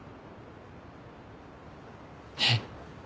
えっ？